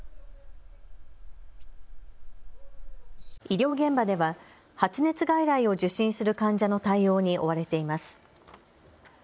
医療現場では発熱外来を受診する患者の対応に追われています。